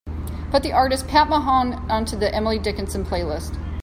Put the artist Pat Monahan onto the emily dickinson playlist.